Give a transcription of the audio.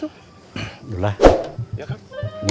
ga ada tempat mantan